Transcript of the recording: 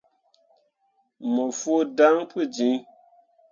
Mo fõo dan pu jiŋ.